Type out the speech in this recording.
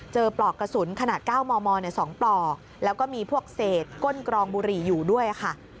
ปลอกกระสุนขนาด๙มม๒ปลอกแล้วก็มีพวกเศษก้นกรองบุหรี่อยู่ด้วยค่ะ